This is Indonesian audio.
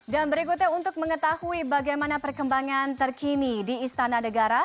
dan berikutnya untuk mengetahui bagaimana perkembangan terkini di istana negara